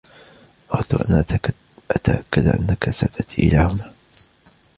أردتُ أن أتأكد أنك ستأتي إلى هنا.